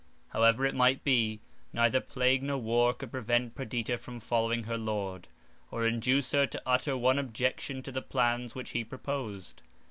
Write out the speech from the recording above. However it might be, neither plague nor war could prevent Perdita from following her lord, or induce her to utter one objection to the plans which he proposed.